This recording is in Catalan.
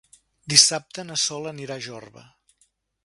Dissabte na Sol anirà a Jorba.